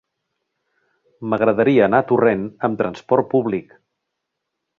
M'agradaria anar a Torrent amb trasport públic.